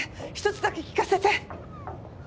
１つだけ聞かせて。